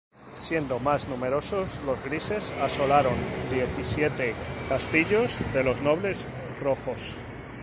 Siendo más numerosos los grises asolaron diecisiete castillos de los nobles rojos.